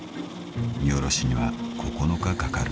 ［荷下ろしには９日かかる］